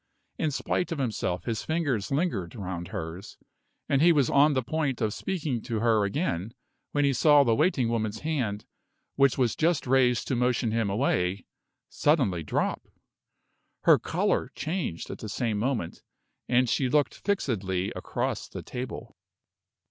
In spite of himself his fingers lingered round hers, and he was on the point of speaking to her again, when he saw the waiting woman's hand, which was just raised to motion him away, suddenly drop. Her color changed at the same moment, and she looked fixedly across the table.